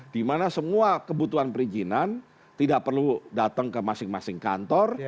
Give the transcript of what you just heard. dimana semua kebutuhan perizinan tidak perlu datang ke masing masing kantor